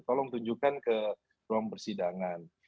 tolong tunjukkan ke ruang persidangan